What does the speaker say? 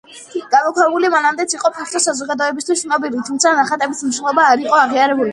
გამოქვაბული მანამდეც იყო ფართო საზოგადოებისთვის ცნობილი, თუმცა ნახატების მნიშვნელობა არ იყო აღიარებული.